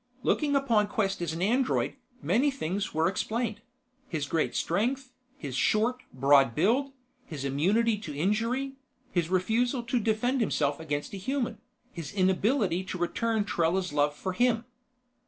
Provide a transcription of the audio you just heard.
Looking upon Quest as an android, many things were explained: his great strength, his short, broad build, his immunity to injury, his refusal to defend himself against a human, his inability to return Trella's love for him.